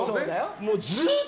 もう、ずっと。